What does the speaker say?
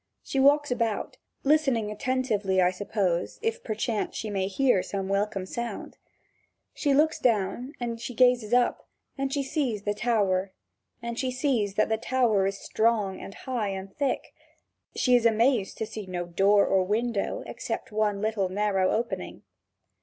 She walks about, listening attentively, I suppose, if perchance she may hear some welcome sound. She looks down and she gazes up, and she sees that the tower is strong and high and thick. She is amazed to see no door or window, except one little narrow opening.